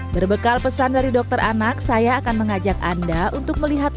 berbekal pesan dari dokter anak saya akan mengajak anda untuk melihat